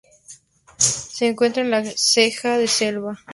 Se encuentra en la ceja de selva.